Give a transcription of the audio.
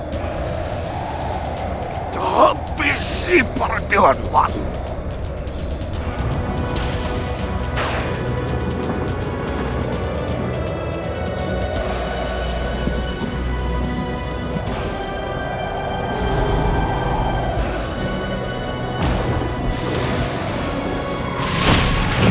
kita habisi perintahmu